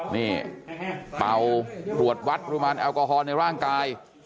นี่เบาหลวดวัดรุมันแอลกอฮอลในร่างกาย